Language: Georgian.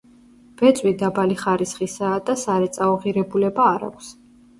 ბეწვი დაბალი ხარისხისაა და სარეწაო ღირებულება არ აქვს.